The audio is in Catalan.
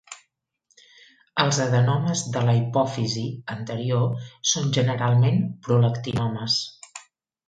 Els adenomes de la hipòfisi anterior són generalment prolactinomes.